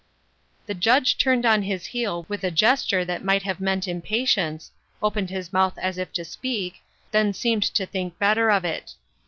The Judge turned on his heel with a gesture that might have meant impatience, opened his mouth as if to speak, then seemed to think better of it.